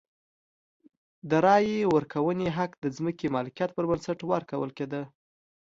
د رایې ورکونې حق د ځمکې مالکیت پر بنسټ ورکول کېده.